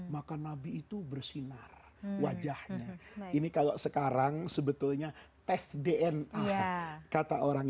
maka nabi itu bersinar wajahnya ini kalau sekarang sebetulnya tes dna kata orang